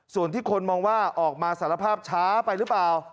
ส่วนที่คนมองว่าออกมาสารภาพช้าไปหรือเปล่า